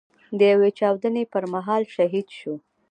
د يوې چاودنې پر مهال شهيد شو.